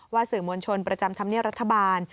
สื่อมวลชนประจำธรรมเนียบรัฐบาล